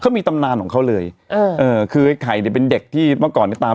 เขามีตำนานของเขาเลยเออเอ่อคือไอ้ไข่เนี่ยเป็นเด็กที่เมื่อก่อนเนี้ยตาม